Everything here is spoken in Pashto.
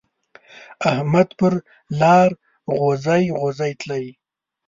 احمد پر لار غوزی غوزی تلی.